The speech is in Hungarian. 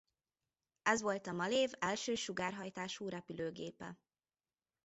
Ez volt a Malév első sugárhajtású repülőgépe.